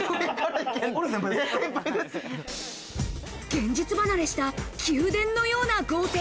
現実離れした宮殿のような豪邸。